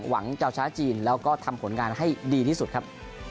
หวังจะเอาชนะจีนแล้วก็ทำผลงานให้ดีที่สุดครับ